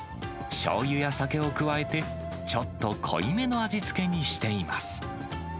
しょうゆや酒を加えて、ちょっと濃いめの味付けにしています。